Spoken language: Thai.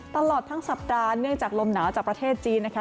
ตลอดทั้งสัปดาห์เนื่องจากลมหนาวจากประเทศจีนนะคะ